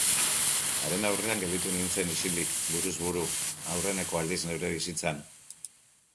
Haren aurrean gelditu nintzen isilik buruz buru, aurreneko aldiz neure bizitzan.